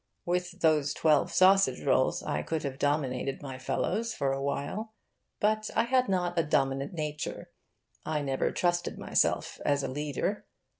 With those twelve sausage rolls I could have dominated my fellows for a while. But I had not a dominant nature. I never trusted myself as a leader.